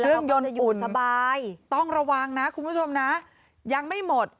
เครื่องยนต์อุ่นต้องระวังนะคุณผู้ชมนะยังไม่หมด